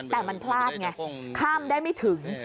แต่มันพลาดไงข้ามได้ไม่ถึง